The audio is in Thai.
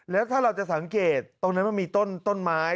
แล้วถ้าเราจะสังเกตตรงนั้นมันมีต้นไม้